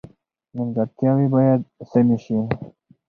نیمګړتیاوې باید سمې شي.